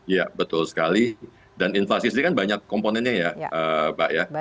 ya betul sekali dan inflasi sendiri kan banyak komponennya ya pak ya